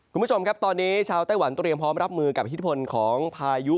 คุณผู้ชมครับตอนนี้ชาวไต้หวันเตรียมพร้อมรับมือกับอิทธิพลของพายุ